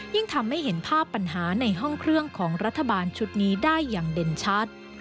ยิ่งทำให้เห็นภาพปัญหาในห้องเครื่องของรัฐบาลชุดนี้ได้อย่างเด่นชัด